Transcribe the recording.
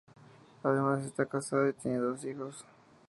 Además está casado y tiene dos hijos.